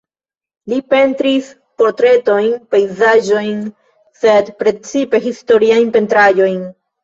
Li pentris portretojn, pejzaĝojn, sed precipe historiajn pentraĵojn.